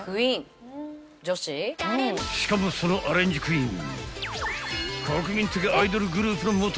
［しかもそのアレンジクイーン］